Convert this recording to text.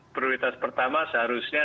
prioritas pertama seharusnya